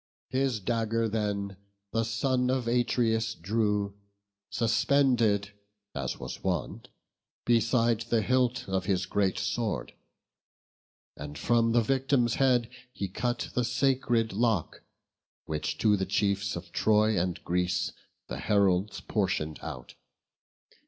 His dagger then the son of Atreus drew, Suspended, as was wont, beside the hilt Of his great sword; and from the victim's head He cut the sacred lock, which to the chiefs Of Troy and Greece the heralds portion'd out.